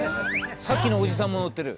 さっきのおじさんも乗ってる。